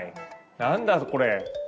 何だこれ？